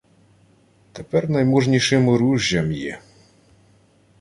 — Тепер найможнішим оружжям є...